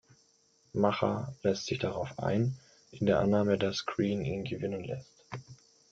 Macha lässt sich darauf ein, in der Annahme, dass Green ihn gewinnen lässt.